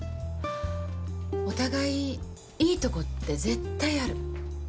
お互いいいとこって絶対ある。